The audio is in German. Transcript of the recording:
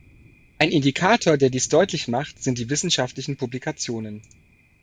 Ein Indikator, der dies deutlich macht, sind die wissenschaftlichen Publikationen.